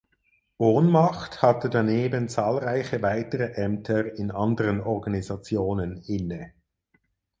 Ohnmacht hatte daneben zahlreiche weitere Ämter in anderen Organisationen inne.